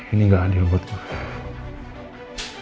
ini gak adil buat kita